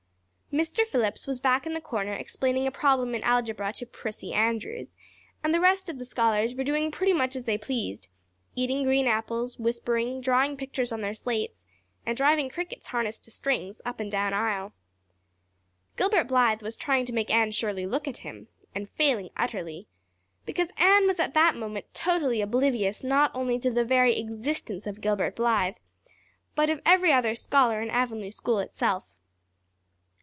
Mr. Phillips was back in the corner explaining a problem in algebra to Prissy Andrews and the rest of the scholars were doing pretty much as they pleased eating green apples, whispering, drawing pictures on their slates, and driving crickets harnessed to strings, up and down aisle. Gilbert Blythe was trying to make Anne Shirley look at him and failing utterly, because Anne was at that moment totally oblivious not only to the very existence of Gilbert Blythe, but of every other scholar in Avonlea school itself.